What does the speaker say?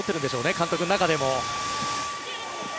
監督の中でも。